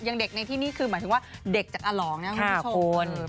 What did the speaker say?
อย่างเด็กในที่นี่คือหมายถึงว่าเด็กจะอลองนะครับคุณผู้ชม